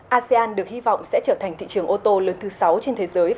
asean được hy vọng sẽ trở thành thị trường sản xuất chung và lưu chuyển thương mại tự do nội khối